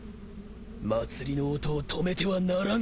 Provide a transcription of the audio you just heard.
祭りの音を止めてはならん。